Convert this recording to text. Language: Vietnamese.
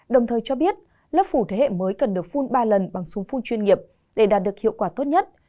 đồng thời cho biết lớp phủ thế hệ mới cần được phun ba lần bằng súng phun chuyên nghiệp để đạt được hiệu quả tốt nhất